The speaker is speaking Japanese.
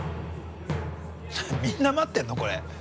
みんな待ってんの？